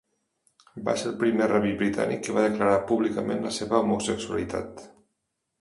Va ser el primer rabí britànic que va declarar públicament la seva homosexualitat.